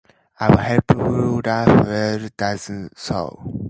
A helpless Rahul does so.